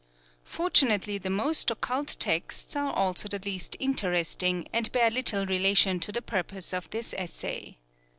Fortunately the most occult texts are also the least interesting, and bear little relation to the purpose of this essay.